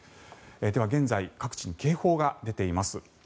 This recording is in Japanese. では現在各地、警報が出ています。